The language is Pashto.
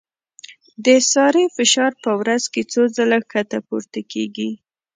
د سارې فشار په ورځ کې څو ځله ښکته پورته کېږي.